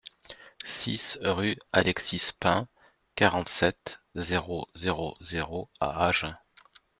six rue Alexis Pain, quarante-sept, zéro zéro zéro à Agen